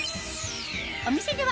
お店では